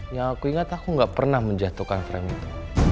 yang aku ingat aku gak pernah menjatuhkan frame itu